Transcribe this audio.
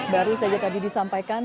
baru saja tadi disampaikan